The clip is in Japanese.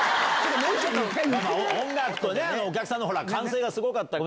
音楽とお客さんの歓声がすごかった。